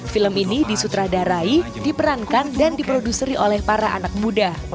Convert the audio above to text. film ini disutradarai diperankan dan diproduseri oleh para anak muda